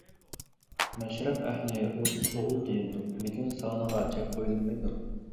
مەشرەپ ئەھلى «ئوتتۇز ئوغۇل» دېيىلىدۇ، لېكىن سانىغا چەك قويۇلمايدۇ.